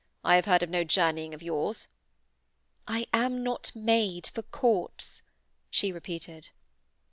I have heard of no journeying of yours.' 'I am not made for courts,' she repeated.